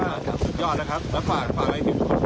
สุดยอดกับผมสุดยอดกับผม